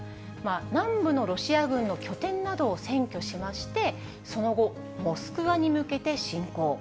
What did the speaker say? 南部のロシア軍の拠点などを占拠しまして、その後、モスクワに向けて進行。